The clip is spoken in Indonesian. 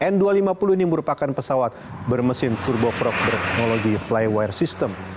n dua ratus lima puluh ini merupakan pesawat bermesin turboprop berekonologi flywire system